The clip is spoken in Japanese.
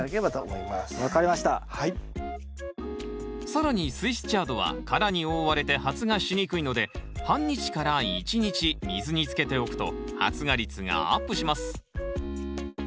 更にスイスチャードは殻に覆われて発芽しにくいので半日から１日水につけておくと発芽率がアップします。